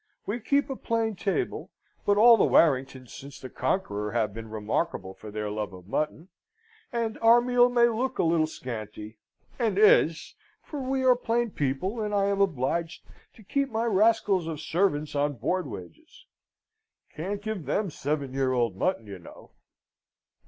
We keep a plain table; but all the Warringtons since the Conqueror have been remarkable for their love of mutton; and our meal may look a little scanty, and is, for we are plain people, and I am obliged to keep my rascals of servants on board wages. Can't give them seven year old mutton, you know."